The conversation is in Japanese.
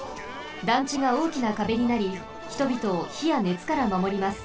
団地がおおきなかべになり人びとをひやねつからまもります。